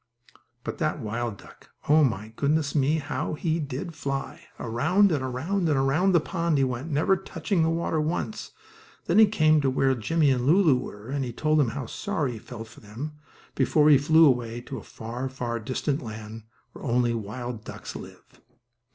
But that wild duck! Oh, my, goodness me! How he did fly. Around and around, and around that pond he went, never touching the water once. Then he came to where Jimmie and Lulu were, and he told them how sorry he felt for them, before he flew away to a far, far distant land, where only wild ducks live.